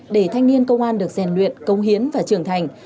để thanh niên công an được rèn luyện công hiến và trưởng thành